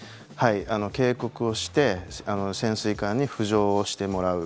警告をして潜水艦に浮上してもらう。